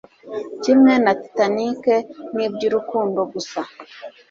Kimwe na Titanic nibyurukundo gusa